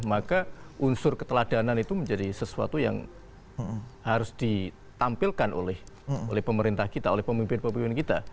maka unsur keteladanan itu menjadi sesuatu yang harus ditampilkan oleh pemerintah kita oleh pemimpin pemimpin kita